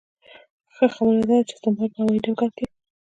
ښه خبره داده چې د استانبول په هوایي ډګر کې.